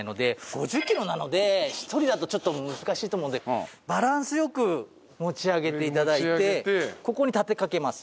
５０キロなので１人だとちょっと難しいと思うのでバランス良く持ち上げて頂いてここに立てかけます。